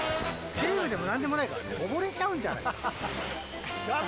テレビでも何でもないからね溺れちゃうんじゃないか。